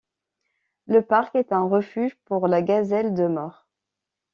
Le parc est un refuge pour la gazelle de Mhorr.